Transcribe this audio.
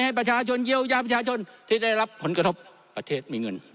ให้ประชาชนเยียวยาประชาชนที่ได้รับผลกระทบประเทศมีเงิน